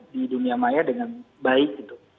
di dunia maya dengan baik gitu